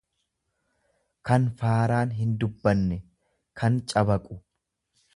kan faaraan hindubbanne, kan cabaqu.